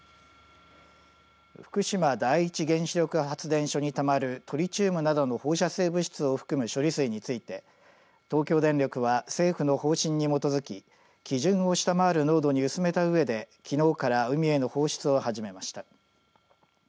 福島第一原子力発電所にたまるトリチウムなどの放射性物質を含む処理水について東京電力は政府の方針に基づき基準を下回る濃度に薄めたうえできのうから海への放出を始めました。